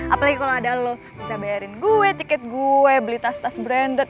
apalagi kalau ada lo bisa bayarin gue tiket gue beli tas tas branded